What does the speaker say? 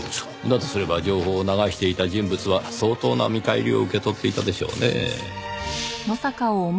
だとすれば情報を流していた人物は相当な見返りを受け取っていたでしょうねぇ。